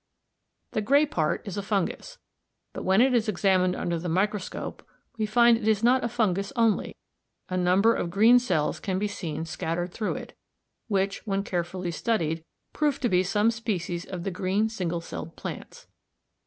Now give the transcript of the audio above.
The grey part is a fungus; but when it is examined under the microscope we find it is not a fungus only; a number of green cells can be seen scattered through it, which, when carefully studied, prove to be some species of the green single celled plants.